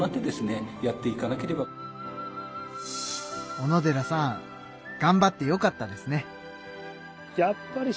小野寺さんがんばってよかったですね。